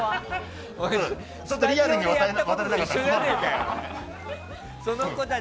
ちょっとリアルに渡れなかった。